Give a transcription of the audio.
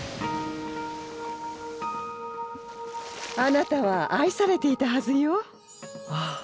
あなたは愛されていたはずよ。